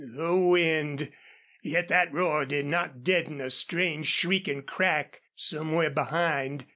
the wind! Yet that roar did not deaden a strange, shrieking crack somewhere behind.